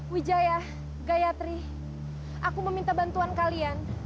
wijaya gayatri aku meminta bantuan kalian